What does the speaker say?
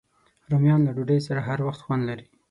رومیان له ډوډۍ سره هر وخت خوند لري